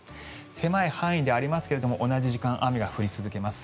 狭い範囲でありますが同じ時間雨が降り続けます。